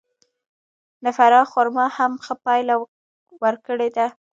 د فراه خرما هم ښه پایله ورکړې ده.